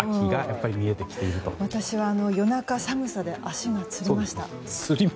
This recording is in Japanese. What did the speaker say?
私は夜中暑さで足がつりました。